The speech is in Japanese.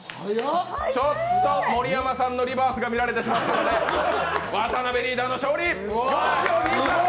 ちょっと盛山さんのリバースが見られてしまったので、渡辺リーダーの勝利！！